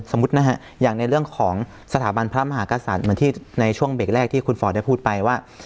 สมมุตินะฮะอย่างในเรื่องของสถาบันพระมหากษัตริย์เหมือนที่ในช่วงเบรกแรกที่คุณฟอร์ดได้พูดไปว่า